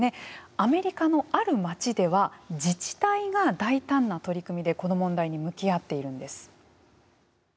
アメリカのある街では自治体が大胆な取り組みでこの問題に向き合っているんです。